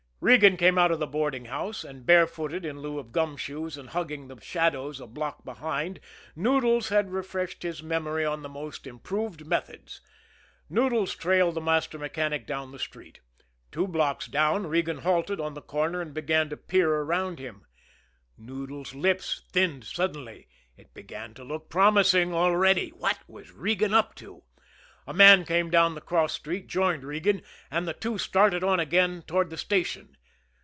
Regan came out of the boarding house; and, bare footed in lieu of gum shoes, and hugging the shadows a block behind Noodles had refreshed his memory on the most improved methods Noodles trailed the master mechanic down the street. Two blocks down, Regan halted on the corner and began to peer around him. Noodles' lips thinned suddenly it began to look promising already what was Regan up to? A man came down the cross street, joined Regan, and the two started on again toward the station.